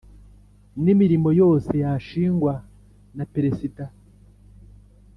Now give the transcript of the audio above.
N imirimo yose yashingwa na peresida